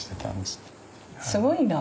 すごいな。